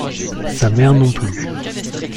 Sa mère non plus.